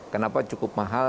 kenapa cukup mahal